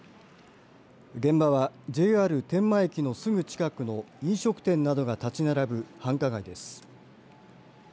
現場はＪＲ天満駅のすぐ近くの飲食店などが建ち並ぶ繁華街です。